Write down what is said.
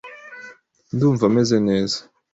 Ndumva meze neza .